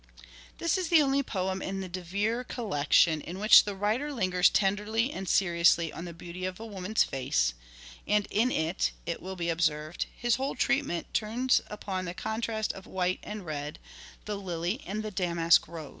This is the only poem in the De Vere collection in which the writer lingers tenderly and seriously on the beauty of a woman's face ; and in it, it will be ob served, his whole treatment turns upon the contrast of white and red, the lily and the damask rose.